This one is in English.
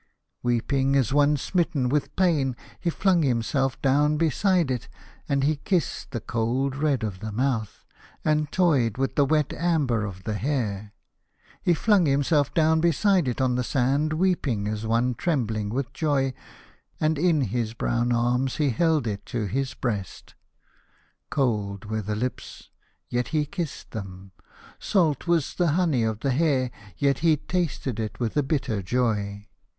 Weeping as one smitten with pain he flung himself down beside it, and he kissed the cold red of the mouth, and toyed with the wet amber of the hair. He flung himself down beside it on the sand, weeping as one trem bling with joy, and in his brown arms he held it to his breast. Cold were the lips, yet he kissed them. Salt was the honey of the hair, yet he tasted it with a bitter joy.